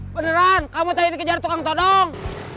beneran kamu tadi dikejar tukang todong